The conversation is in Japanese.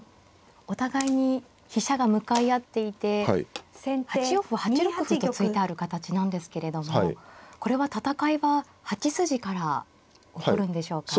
お互いに飛車が向かい合っていて８四歩を８六歩と突いてある形なんですけれどもこれは戦いは８筋から起こるんでしょうか。